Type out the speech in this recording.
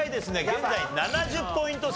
現在７０ポイント差。